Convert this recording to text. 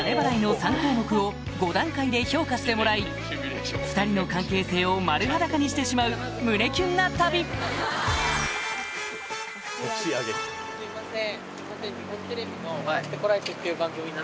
３項目を５段階で評価してもらい２人の関係性を丸裸にしてしまう胸キュンな旅へぇ。